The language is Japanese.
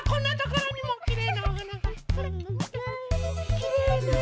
きれいね！